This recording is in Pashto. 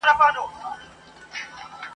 نګهبان مي خپل ازل دی د دښتونو لاله زار یم !.